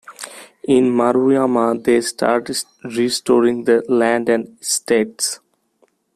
In Maruyama, they start restoring the land and estates.